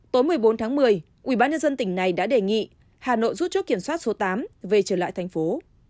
tối một mươi bốn tháng một mươi ubnd tỉnh này đã đề nghị hà nội rút chốt kiểm soát số tám về trở lại thành phố